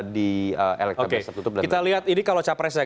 di elektronik tertutup dan lain lain